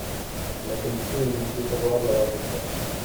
La commission est donc défavorable à l’amendement.